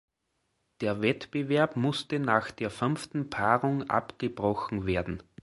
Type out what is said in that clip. Der Wettbewerb musste nach der fünften Paarung abgebrochen werden.